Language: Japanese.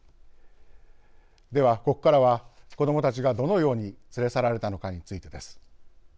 では、ここからは子どもたちが、どのように連れ去られたのかについてです。